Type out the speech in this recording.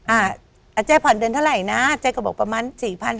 อาเจ๊ผ่อนเดือนเท่าไหร่นะอาเจ๊ก็บอกประมาณ๔๐๐๐๕๐๐๐